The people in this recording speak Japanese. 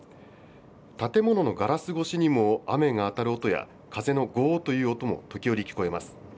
建物のガラス越しにも雨が当たる音や風のごーっという音も時折聞こえます。